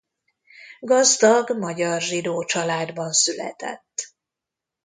Gazdag magyar zsidó családban született.